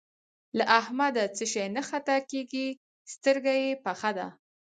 له احمده څه شی نه خطا کېږي؛ سترګه يې پخه ده.